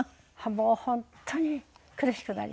もう本当に苦しくなります。